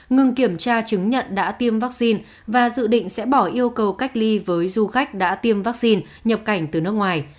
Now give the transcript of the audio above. ngừng kiểm tra chứng nhận đã tiêm vaccine và dự định sẽ bỏ yêu cầu cách ly với du khách đã tiêm vaccine nhập cảnh từ nước ngoài